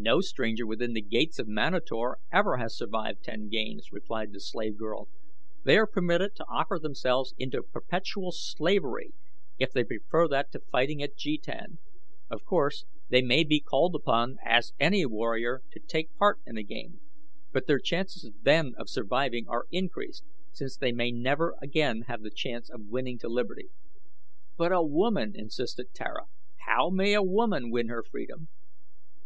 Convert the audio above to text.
"No stranger within the gates of Manator ever has survived ten games," replied the slave girl. "They are permitted to offer themselves into perpetual slavery if they prefer that to fighting at jetan. Of course they may be called upon, as any warrior, to take part in a game, but their chances then of surviving are increased, since they may never again have the chance of winning to liberty." "But a woman," insisted Tara; "how may a woman win her freedom?"